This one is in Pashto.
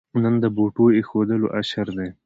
نن د بوټو اېښودلو اشر دی.